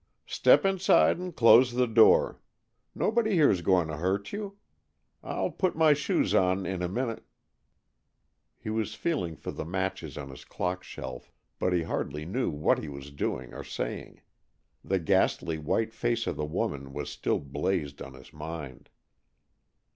"Step inside and close the door. Nobody here's going to hurt you. I'll put my shoes on in a minute " He was feeling for the matches on his clock shelf, but he hardly knew what he was doing or saying. The ghastly white face of the woman was still blazed on his mind.